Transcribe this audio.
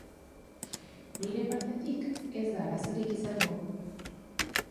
Nire partetik ez da arazorik izango.